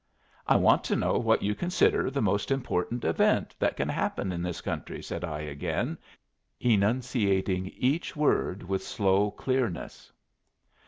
"I want to know what you consider the most important event that can happen in this country," said I, again, enunciating each word with slow clearness.